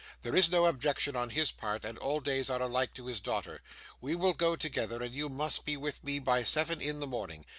There is no objection on his part, and all days are alike to his daughter. We will go together, and you must be with me by seven in the morning.